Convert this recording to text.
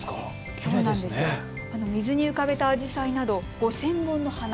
水に浮かべたアジサイなど５０００本の花。